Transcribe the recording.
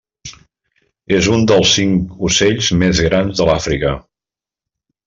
És un dels cinc ocells més grans de l'Àfrica.